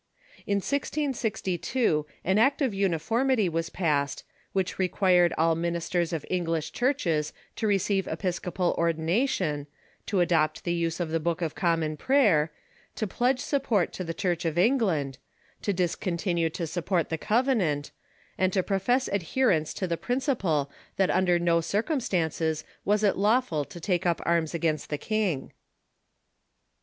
In 16G2 an Act of Uniformity was passed which required all ministers of English churches to receive episcopal ordination, to adopt the use of the Book of Common Prayer, to pledge support to the Church of England, to discontinue to support the Covenant, and to profess adherence to the principle that under no cir cumstances was it lawful to take up arms against the king.